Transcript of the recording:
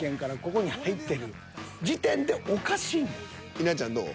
稲ちゃんどう？